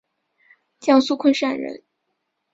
江苏昆山人。